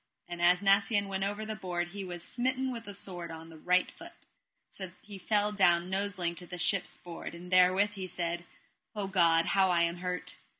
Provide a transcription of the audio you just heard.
And as Nacien went over the board he was smitten with a sword on the right foot, that he fell down noseling to the ship's board; and therewith he said: O God, how am I hurt.